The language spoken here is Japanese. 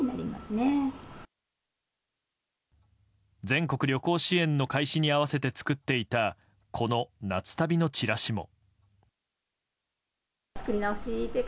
全国旅行支援の開始に合わせて作っていたこの夏旅のチラシも。